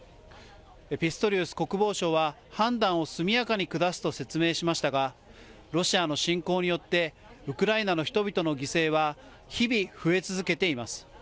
ピストリウス国防相は、判断を速やかに下すと説明しましたが、ロシアの侵攻によって、ウクライナの人々の犠牲は、日々、増え続けています。